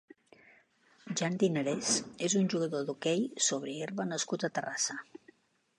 Jan Dinarés és un jugador d'hoquei sobre herba nascut a Terrassa.